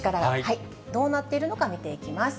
どうなっているのか見ていきます。